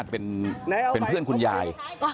เป็นเพื่อนคุณยาย